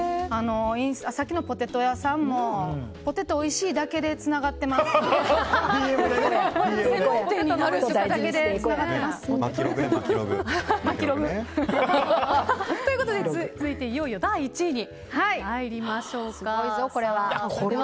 さっきのポテト屋さんもポテトおいしいだけでＤＭでね。ということで続いていよいよ第１位に参りましょう。